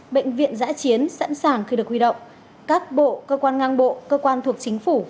bệnh viện giã chiến sẵn sàng khi được huy động các bộ cơ quan ngang bộ cơ quan thuộc chính phủ